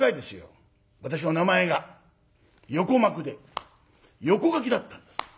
私の名前が横幕で横書きだったんです。